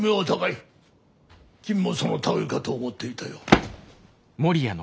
君もその類いかと思っていたよ。